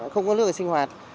không có nước để sinh hoạt